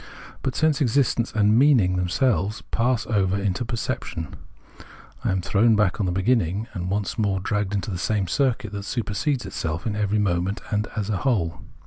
But sense existence and " meaning " themselves pass over into perception : I am thrown back on the beginning, and once more dragged into the same circuit, that supersedes itself in every moment and as a whole.